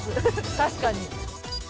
確かに。